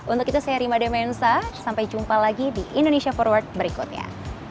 untuk itu saya rima demensa sampai jumpa lagi di indonesia forward berikutnya